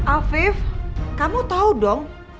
afif kamu tahu dong